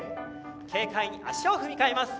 軽快に脚を踏みかえます。